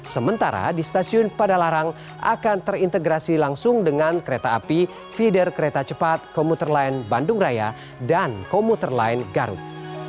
sementara di stasiun padalarang akan terintegrasi langsung dengan kereta api feeder kereta cepat komuter lain bandung raya dan komuter line garut